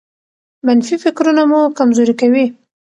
منفي فکرونه مو کمزوري کوي.